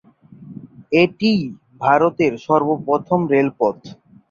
এটিই ভারতের সর্বপ্রথম রেলপথ।